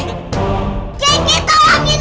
jengi tolongin aku